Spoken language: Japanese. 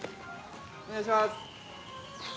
お願いします。